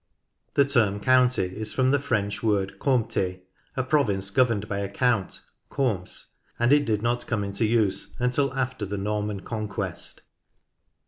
The term county is from the French word comtk^ a province governed by a count (comes)) and it did not come into use until after the Norman conquest.